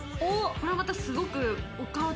これはまたすごく。